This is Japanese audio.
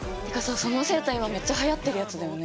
そのセーター今メッチャはやってるやつだよね？